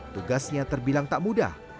tugasnya terbilang tak mudah